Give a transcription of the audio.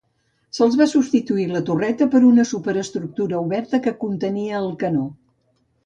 Se'ls va substituir la torreta per una superestructura oberta que contenia el canó.